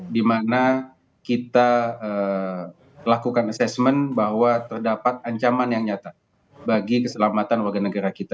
di mana kita lakukan assessment bahwa terdapat ancaman yang nyata bagi keselamatan warga negara kita